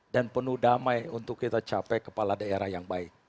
dan penuh damai untuk kita capai kepala daerah yang baik